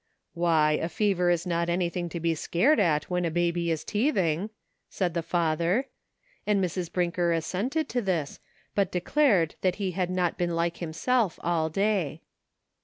"Why, a fever is not anything to be scared at when a baby is teething," said the father, and Mrs. Brinker assented to this, but declared that he had not been like himself all day.